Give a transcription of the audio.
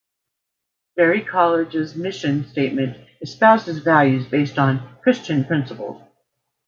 Berry College's mission statement espouses values based on Christian principles.